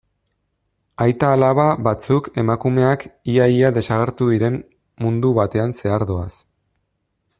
Aita-alaba batzuk emakumeak ia-ia desagertu diren mundu batean zehar doaz.